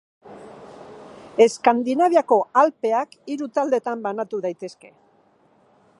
Eskandinaviako Alpeak hiru taldetan banatu daitezke.